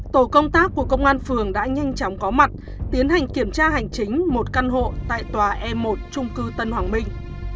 tổ công tác của công an phường đã nhanh chóng có mặt tiến hành kiểm tra hành chính một căn hộ tại tòa e một trung cư tân hoàng minh